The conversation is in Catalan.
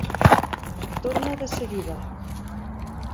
Torne de seguida.